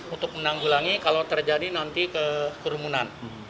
untuk menanggulangi kalau terjadi nanti kerumunan